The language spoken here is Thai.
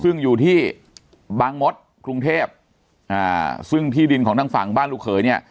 ซึ่งอยู่ที่บางมดกรุงเทพอ่าซึ่งที่ดินของทางฝั่งบ้านลูกเขยเนี่ย